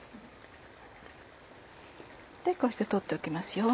こうしてとっておきますよ。